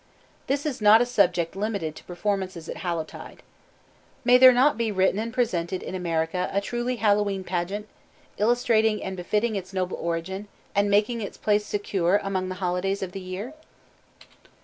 This is not a subject limited to performances at Hallowtide. May there not be written and presented in America a truly Hallowe'en pageant, illustrating and befitting its noble origin, and making its place secure among the holidays of the year?